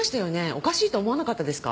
おかしいと思わなかったですか？